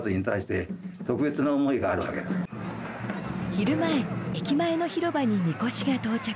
昼前駅前の広場に神輿が到着。